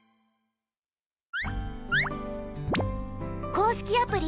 公式アプリ